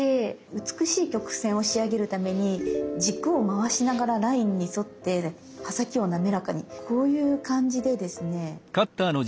美しい曲線を仕上げるために軸を回しながらラインに沿って刃先を滑らかにこういう感じでですね